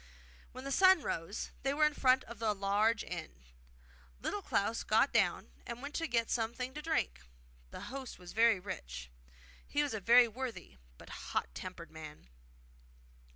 When the sun rose they were in front of a large inn. Little Klaus got down, and went in to get something to drink. The host was very rich. He was a very worthy but hot tempered man.